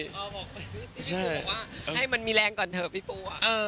บอกไปพี่ชูบอกว่าให้มันมีแรงก่อนเถอะพี่ปู